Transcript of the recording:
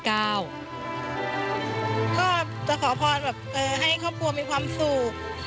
ก็จะขอพรแบบให้ครอบครัวมีความสุข